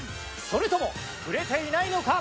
それともふれていないのか？